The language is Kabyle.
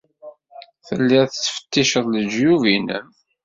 Telliḍ tettfetticeḍ lejyub-nnem.